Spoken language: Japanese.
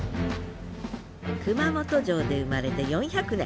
熊本城で生まれて４００年。